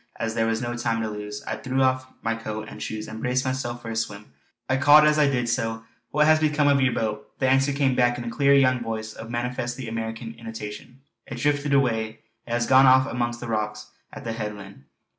As there was no time to lose, I threw off my coat and shoes and braced myself for a swim. I called as I did so: "What has become of your boat?" The answer came back in a clear, young voice of manifestly American intonation: "It drifted away. It has gone off amongst those rocks at the headland."